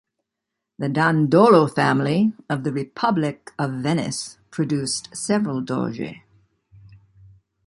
The Dandolo family of the Republic of Venice produced several Doges.